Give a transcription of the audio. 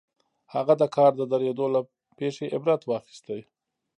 هغه د کار د درېدو له پېښې عبرت واخيست.